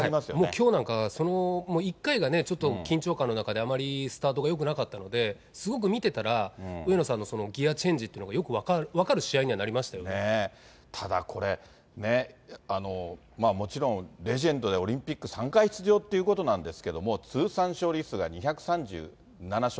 きょうなんかその、１回がね、ちょっと緊張感の中で、あまりスタートがよくなかったので、すごく見てたら、上野さんのそのギアチェンジっていうのがよく分かる試合になりまただこれ、もちろんレジェンドでオリンピック３回出場ということなんですけれども、通算勝利数が２３７勝。